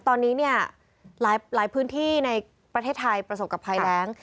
ตอนนี้เนี่ยหลายพื้นที่ในประเทศไทยประสบกับภัยแรง